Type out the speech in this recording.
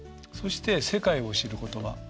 そして世界を知る言葉。